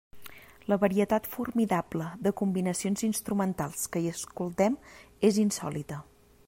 La varietat formidable de combinacions instrumentals que hi escoltem és insòlita.